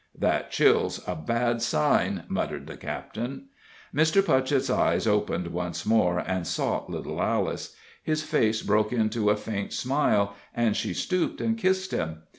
"That chill's a bad sign," muttered the captain. Mr. Putchett's eyes opened once more, and sought little Alice; his face broke into a faint smile, and she stooped and kissed him.